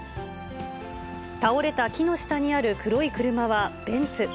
倒れた木の下にある黒い車はベンツ。